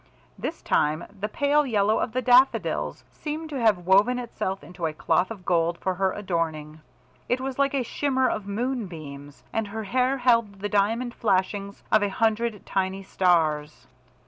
This time the pale yellow of the daffodils seemed to have woven itself into a cloth of gold for her adorning. It was like a shimmer of moon beams, and her hair held the diamond flashings of a hundred tiny stars.